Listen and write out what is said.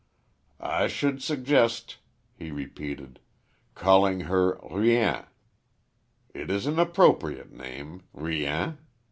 "I should suggest," he repeated, "calling her Rien. It is an appropriate name, Rien.